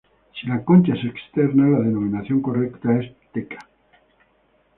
Si la concha es externa, la denominación correcta es teca.